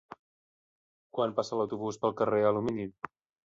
Quan passa l'autobús pel carrer Alumini?